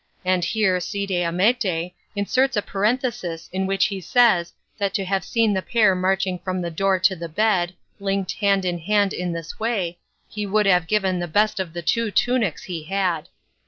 And here Cide Hamete inserts a parenthesis in which he says that to have seen the pair marching from the door to the bed, linked hand in hand in this way, he would have given the best of the two tunics he had.